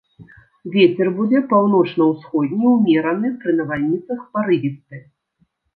Вецер будзе паўночна-ўсходні ўмераны, пры навальніцах парывісты.